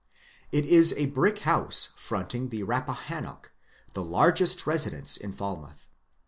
It is a brick house fronting the Bappahannock, — the largest resi dence in Falmouth.